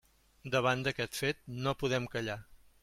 Davant d'aquest fet no podem callar.